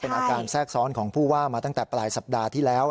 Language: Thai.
อาการแทรกซ้อนของผู้ว่ามาตั้งแต่ปลายสัปดาห์ที่แล้ว